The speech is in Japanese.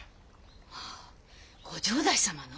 まあ御城代様の。